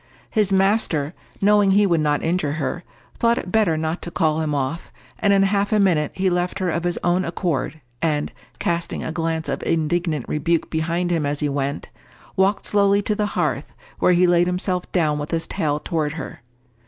His master, knowing he would not injure her, thought it better not to call him off, and in half a minute he left her of his own accord, and, casting a glance of indignant rebuke behind him as he went, walked slowly to the hearth, where he laid himself down with his tail toward her.